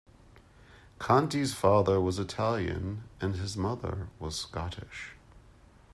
Conti's father was Italian and his mother was Scottish.